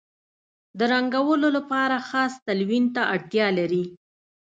د رنګولو لپاره خاص تلوین ته اړتیا لري.